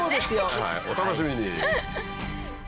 はいお楽しみに。